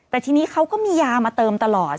แต่ทีนี้เขาก็มียามาเติมตลอด